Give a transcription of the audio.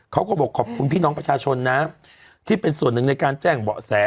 เขาก็บอกขอบคุณพี่น้องประชาชนนะที่เป็นส่วนหนึ่งในการแจ้งเบาะแส